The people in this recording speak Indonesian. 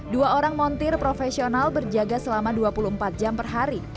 dua orang montir profesional berjaga selama dua puluh empat jam per hari